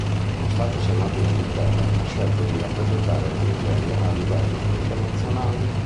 Nonostante sia nato in Inghilterra, ha scelto di rappresentare la Nigeria a livello internazionale.